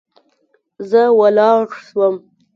زه ولاړ سوم.